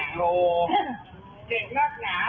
กลัวแหละ